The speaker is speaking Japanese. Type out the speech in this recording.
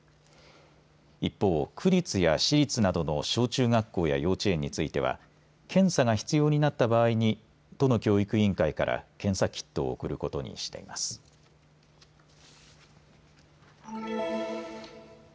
一方、区立や市立などの小中学校や幼稚園については検査が必要になった場合に、都の教育委員会から検査キットを送ることにしています。